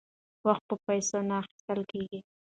وخت په پیسو نه اخیستل کیږي.